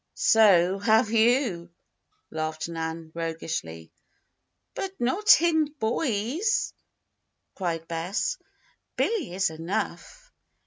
"So have you," laughed Nan, roguishly. "But not in boys!" cried Bess. "Billy is enough.